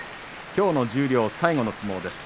きょう十両最後の相撲です。